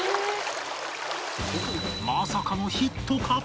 まさかのヒットか？